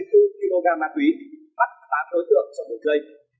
thu giữ bảy mươi bốn kg ma túy bắt tám đối tượng trong đường dây